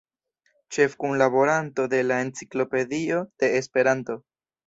Ĉefkunlaboranto de la Enciklopedio de Esperanto.